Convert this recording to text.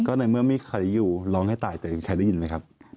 ก็ในเมื่อมีใครอยู่ร้องให้ตายแต่มีใครได้ยินไหมครับ